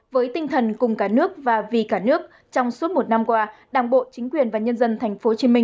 với tinh thần cùng cả nước và vì cả nước trong suốt một năm qua đảng bộ chính quyền và nhân dân tp hcm